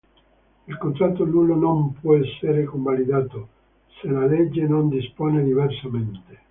Il contratto nullo non può essere convalidato, se la legge non dispone diversamente.